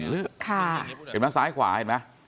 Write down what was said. เห็นไหมซ้ายขวาเห็นไหม